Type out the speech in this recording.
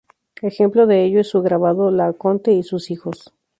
Ejemplo de ello es su grabado "Laocoonte y sus hijos".